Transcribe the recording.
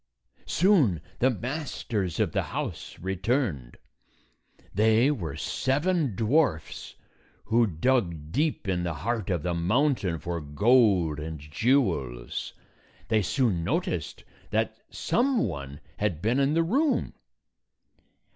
Soon the masters of the house returned. They were seven dwarfs who dug deep in the heart of the mountain for gold and jewels. They soon noticed that some one had been in the room.